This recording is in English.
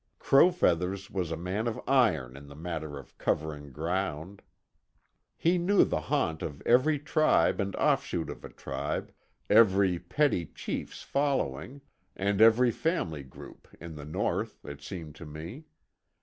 Crow Feathers was a man of iron in the matter of covering ground. He knew the haunt of every tribe and offshoot of a tribe, every petty chief's following, and every family group in the North, it seemed to me.